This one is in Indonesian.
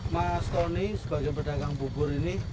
mas tony sebagai pedagang bubur ini